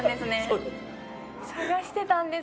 そうです。